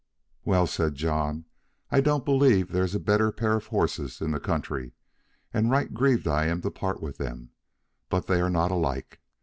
"Well," said John, "I don't believe there is a better pair of horses in the country, and right grieved I am to part with them, but they are not alike.